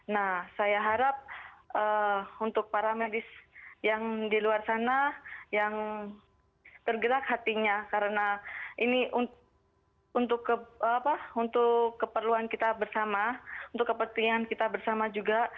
nah saya harap untuk para medis yang di luar sana yang tergerak hatinya karena ini untuk keperluan kita bersama untuk kepentingan kita bersama juga